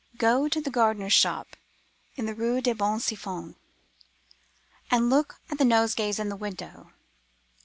Go to the gardener's shop in the Rue des Bons Enfans, and look at the nosegays in the window.